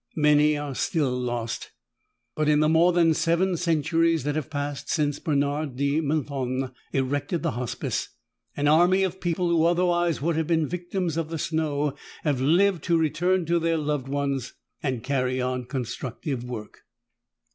"Many are still lost. But in the more than seven centuries that have passed since Bernard de Menthon erected the Hospice, an army of people who otherwise would have been victims of the snow have lived to return to their loved ones and carry on constructive work."